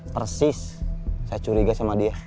persis saya curiga sama dia